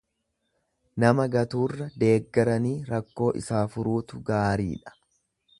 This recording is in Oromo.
Nama gatuurra deeggaranii rakkoo isaa furuutu gaariidha.